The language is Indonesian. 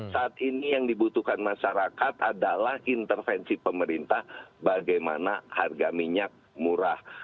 saat ini yang dibutuhkan masyarakat adalah intervensi pemerintah bagaimana harga minyak murah